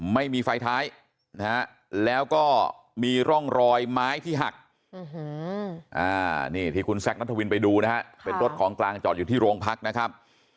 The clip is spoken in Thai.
ไม่มีไฟท้ายนะฮะแล้วก็มีร่องรอยไม้ที่หักนี่ที่คุณแซคนัทวินไปดูนะฮะเป็นรถของกลางจอดอยู่ที่โรงพักนะครับ